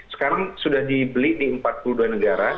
sekarang sudah dibeli di empat puluh dua negara